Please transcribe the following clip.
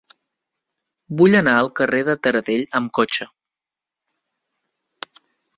Vull anar al carrer de Taradell amb cotxe.